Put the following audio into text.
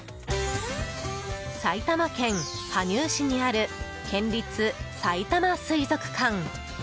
埼玉県羽生市にある県立さいたま水族館。